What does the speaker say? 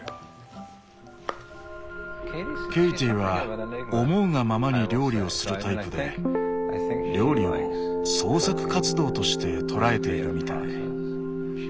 ケイティは思うがままに料理をするタイプで料理を創作活動として捉えているみたい。